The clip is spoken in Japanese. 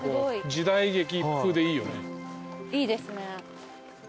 いいですね。